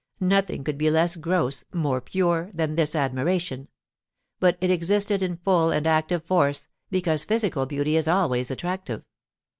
Nothing could be less gross, more pure, than this admiration; but it existed in full and active force, because physical beauty is always attractive.